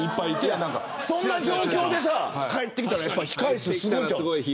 そんな状況で帰ってきたら控え室すごいんじゃないの。